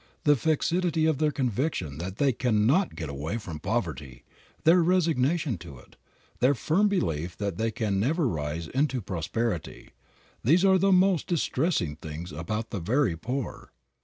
The fixity of their conviction that they cannot get away from poverty, their resignation to it, their firm belief that they can never rise into prosperity, these are the most distressing things about the very poor.